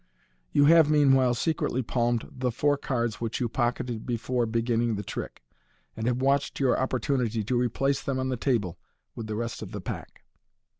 You have, meanwhile, secretly palmed the four cards which you pocketed before beginning the trick, and have watched your opportunity to replace them on the table with the rest of the pack.